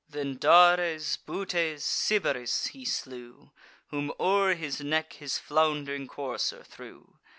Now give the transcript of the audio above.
Then Dares, Butes, Sybaris he slew, Whom o'er his neck his flound'ring courser threw.